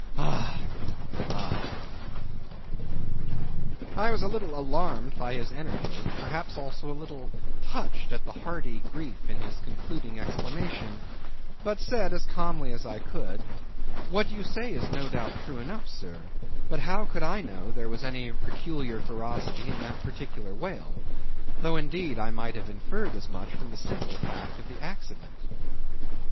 —ah, ah!" I was a little alarmed by his energy, perhaps also a little touched at the hearty grief in his concluding exclamation, but said as calmly as I could, "What you say is no doubt true enough, sir; but how could I know there was any peculiar ferocity in that particular whale, though indeed I might have inferred as much from the simple fact of the accident."